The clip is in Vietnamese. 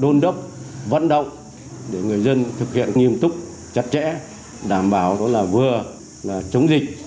đôn đốc vận động để người dân thực hiện nghiêm túc chặt chẽ đảm bảo đó là vừa là chống dịch